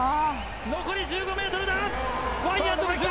残り１５ｍだ。